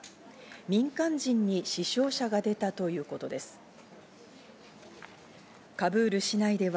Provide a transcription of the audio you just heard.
民間人に死傷者が出たということです。